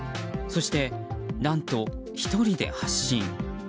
そして、何と１人で発進。